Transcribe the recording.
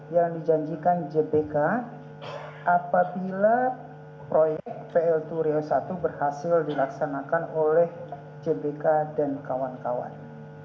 yang dijanjikan gbk apabila proyek pltu riau i berhasil dilaksanakan oleh jbk dan kawan kawan